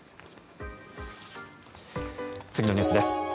次のニュースです。